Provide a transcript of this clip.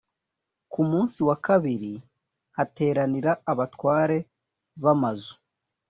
ku munsi wa kabiri hateranira abatware b amazu